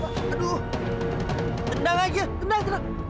aduh tendang aja tendang tendang